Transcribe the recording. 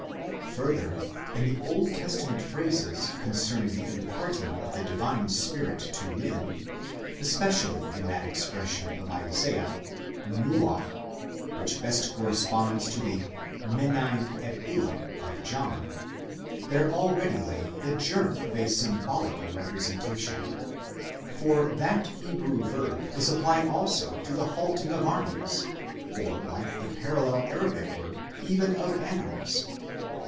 Further, in the Old Testament phrases concerning the imparting of the Divine Spirit to men, especially in that expression of Isaiah, "by T2, which best corresponds to the μένειν ἐπὶ of John, there already lay the germ of a symbolical representation ; for that Hebrew verb is applied also to the halting of armies, or, like the parallel Arabic word, even of animals.